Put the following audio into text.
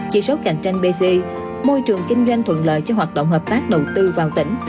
chỉ số cạnh tranh bc môi trường kinh doanh thuận lợi cho hoạt động hợp tác đầu tư vào tỉnh